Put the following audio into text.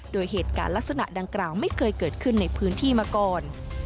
โดยเหตุการณ์ลักษณะดังกล่าวไม่เคยเกิดขึ้นในพื้นที่มาก่อน